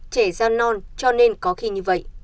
trẻ gian non cho nên có khi như vậy